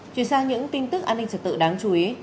chuyển sang những tin tức an ninh trật tự đáng chú ý